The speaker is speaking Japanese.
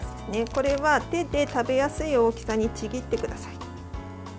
これは手で食べやすい大きさにちぎってください。